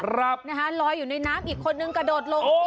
ลอยอยู่ในน้ำอีกคนนึงกระโดดลง